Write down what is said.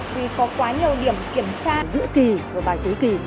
vì có quá nhiều điểm kiểm tra giữa kỳ và bài cuối kỳ